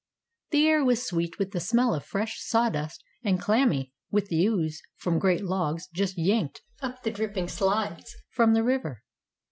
The air was sweet with the smell of fresh sawdust and clammy with the ooze from great logs just "yanked" up the dripping slides from the river.